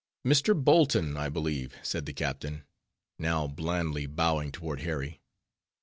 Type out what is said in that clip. "Mr. Bolton, I believe," said the captain, now blandly bowing toward Harry.